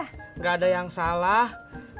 nggadak yang salah asalnya